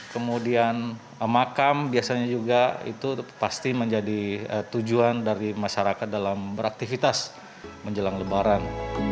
kemudian makam biasanya juga itu pasti menjadi tujuan dari masyarakat dalam beraktivitas menjelang lebaran